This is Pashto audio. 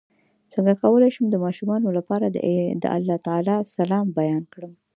څنګه کولی شم د ماشومانو لپاره د الله تعالی سلام بیان کړم